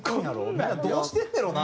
みんなどうしてんねやろな？